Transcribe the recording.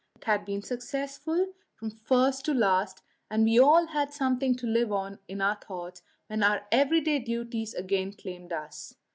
It had been successful from first to last, and we all had something to live on in our thoughts when our everyday duties again claimed us.